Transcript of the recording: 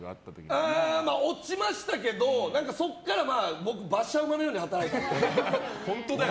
落ちましたけどそこから馬車馬のように働いたんですよ。